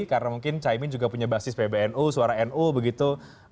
karena mungkin caimin juga punya basis pbnu suara nu begitu